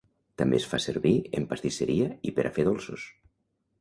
També es fa servir en pastisseria i per a fer dolços.